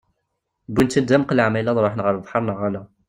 Wwin-tt-id d amqelleɛ ma yella ad ruḥen ɣer lebḥer neɣ ala.